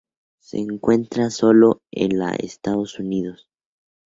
Se encuentra sólo en la Estados Unidos.